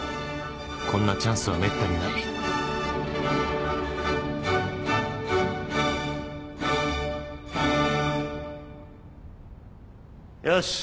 こんなチャンスはめったにないよし。